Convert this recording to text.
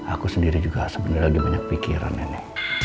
aku sendiri juga sebenernya lagi banyak pikiran ini